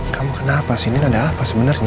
kamu kenapa sih nien ada apa sebenarnya